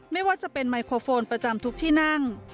ไม่ว่าจะเป็นไมโครโฟนประจำทุกที่นั่ง